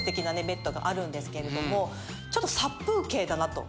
ベッドがあるんですけれどもちょっと殺風景だなと。